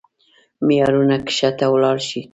معيارونه کښته ولاړ شي.